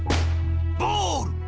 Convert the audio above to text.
ボール！